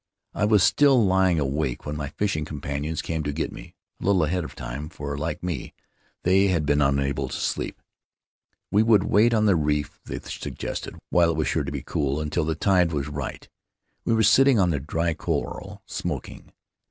I was still lying awake when my fishing companions came to get me; a little ahead of time, for, like me, they had been unable to sleep. We would wait on the reef, they suggested, where it was sure to be cool, until the tide was right. "We were sitting on the dry coral, smoking.